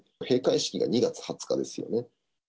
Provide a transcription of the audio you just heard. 閉会式が２月２０日ですよね。